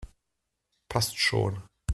Passt schon!